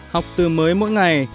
học từ mới mỗi ngày